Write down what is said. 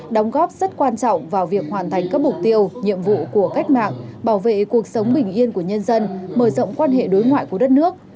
đóng góp rất quan trọng vào việc hoàn thành các mục tiêu nhiệm vụ của cách mạng bảo vệ cuộc sống bình yên của nhân dân mở rộng quan hệ đối ngoại của đất nước